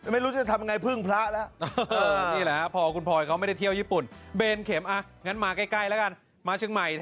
ไม่รู้จะทำยังไงพึ่งพระแล้ว